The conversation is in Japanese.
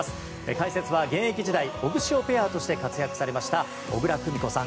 解説は現役時代オグシオペアとして活躍されました小椋久美子さん